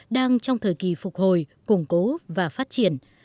đang trong thời kỳ phục hồi củng cố và phát triển